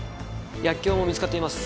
薬莢も見つかっています。